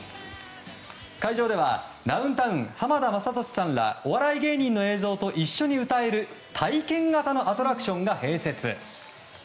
会場ではダウンタウン浜田雅功さんらお笑い芸人の映像と一緒に歌える体験型のアトラクションが併設。